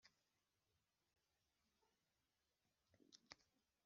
Buri Umwe umwe yari afite mu maso hane